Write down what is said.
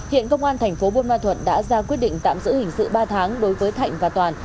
hiện công an thành phố buôn ma thuận đã ra quyết định tạm giữ hình sự ba tháng đối với thạnh và toàn